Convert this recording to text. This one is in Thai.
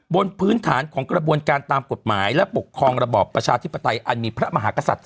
บนพื้นฐานของกระบวนการตามกฎหมายและปกครองระบอบประชาธิปไตยอันมีพระมหากษัตริย์